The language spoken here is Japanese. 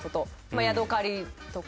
「ヤドカリ」とか。